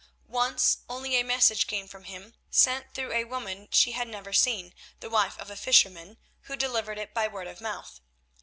Once only a message came from him, sent through a woman she had never seen, the wife of a fisherman, who delivered it by word of mouth.